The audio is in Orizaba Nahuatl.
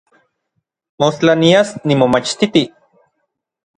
Mostla nias nimomachtiti.